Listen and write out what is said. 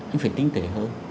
anh phải tinh tế hơn